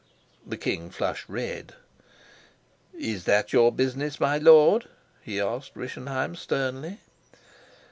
The king flushed red. "Is that your business, my lord?" he asked Rischenheim sternly.